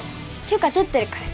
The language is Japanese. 許可とってるから